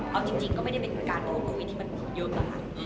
เอาจริงก็ไม่ได้เป็นการโดกวิทีมาเยอะแค่